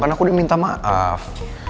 kan aku udah minta maaf